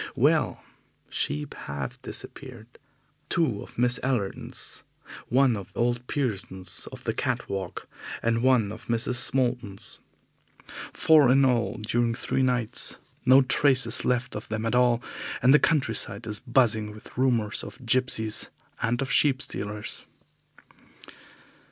Well, sheep have disappeared. Two of Miss Allerton's, one of old Pearson's of the Cat Walk, and one of Mrs. Moulton's. Four in all during three nights. No trace is left of them at all, and the countryside is buzzing with rumours of gipsies and of sheep stealers.